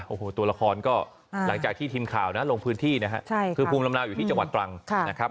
โอ้โหตัวละครก็หลังจากที่ทีมข่าวนะลงพื้นที่นะฮะคือภูมิลำเนาอยู่ที่จังหวัดตรังนะครับ